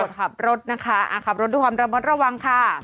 ขับรถนะคะขับรถด้วยความระมัดระวังค่ะ